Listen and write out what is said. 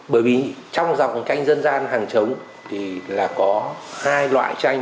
bởi vì trong dòng tranh dân gian hàng trống thì là có hai loại tranh